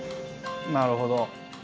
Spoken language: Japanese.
なるほど。